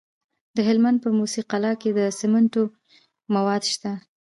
د هلمند په موسی قلعه کې د سمنټو مواد شته.